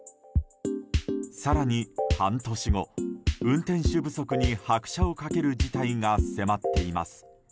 更に半年後、運転手不足に拍車を掛ける事態が迫っています。